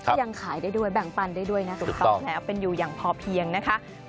ยังขายได้ด้วยแบ่งปันได้ด้วยนะถูกต้องแล้วเป็นอยู่อย่างพอเพียงนะคะ